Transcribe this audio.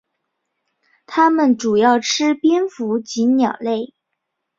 它们主要吃蝙蝠及鸟类。